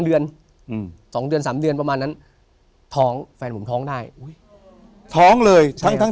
เดือนอืม๒เดือน๓เดือนประมาณนั้นท้องแฟนผมท้องได้อุ้ยท้องเลยทั้งทั้ง